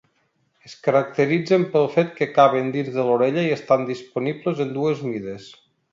Es caracteritzen pel fet que caben dins de l'orella i estan disponibles en dues mides.